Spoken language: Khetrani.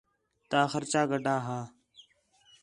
تے خرچہ گڈھدا ہا